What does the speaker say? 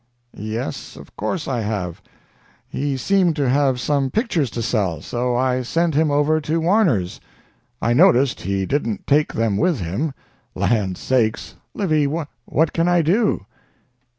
"Yes, of course I have. He seemed to have some pictures to sell, so I sent him over to Warner's. I noticed he didn't take them with him. Land sakes! Livy, what can I do?"